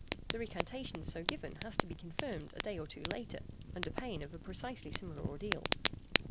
The recantation so given has to be confirmed a day or two later, under pain of a precisely similar ordeal.